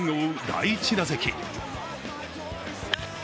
第１打席。